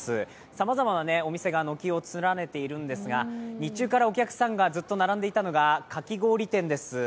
さまざまなお店が軒を連ねているんですが、日中からお客さんがずっと並んでいたのが、かき氷店です。